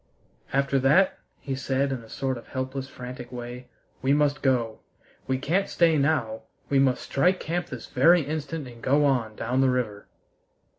"After that," he said in a sort of helpless, frantic way, "we must go! We can't stay now; we must strike camp this very instant and go on down the river."